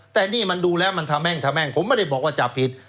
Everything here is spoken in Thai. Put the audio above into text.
แต่นี่มันดูแล้วมันทะแม่งทะแม่งผมไม่ได้บอกว่าจับผิด